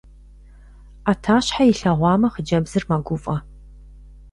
Ӏэтащхьэ илъагъумэ, хъыджэбзыр мэгуфӀэ.